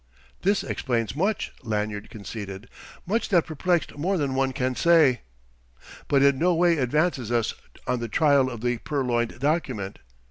"This explains much," Lanyard conceded "much that perplexed more than one can say." "But in no way advances us on the trail of the purloined document."